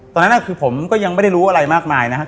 ตอนนั้นคือผมก็ยังไม่ได้รู้อะไรมากมายนะครับ